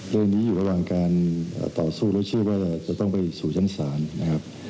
เรื่องนี้อยู่ระหว่างการต่อสู้และเชื่อว่าจะต้องไปสู่ชั้นศาลนะครับ